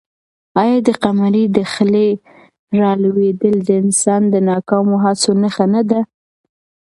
آیا د قمرۍ د خلي رالوېدل د انسان د ناکامو هڅو نښه نه ده؟